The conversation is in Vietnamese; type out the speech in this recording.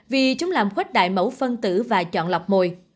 vì chúng làm khuếch đại mẫu phân tử và chọn lọc mồi